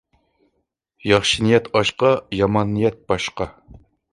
ياخشى نىيەت ئاشقا، يامان نىيەت باشقا.